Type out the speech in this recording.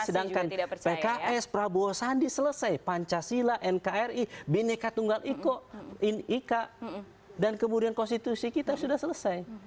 sedangkan pks prabowo sandi selesai pancasila nkri bineka tunggal iko nika dan kemudian konstitusi kita sudah selesai